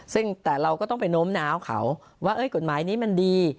ซึ่งแต่เราก็ต้องไปโน้มน้าวเขาว่ากฎหมายนี้มันดี